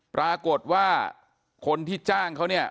ปรากฏว่าคนที่จ้างเขาเนี่ย